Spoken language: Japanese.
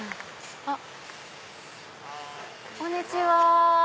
あっこんにちは。